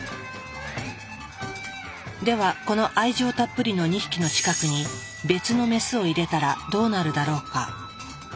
ではこの愛情たっぷりの２匹の近くに別のメスを入れたらどうなるだろうか？